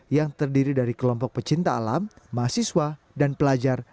yang terdiri dari kelompok pecinta alam mahasiswa dan pelajar